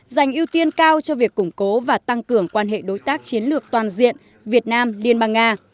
dành ưu tiên cao cho việc củng cố và tăng cường quan hệ đối tác chiến lược toàn diện việt nam liên bang nga